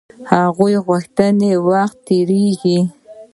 هغوی غوښتل وخت و تېريږي.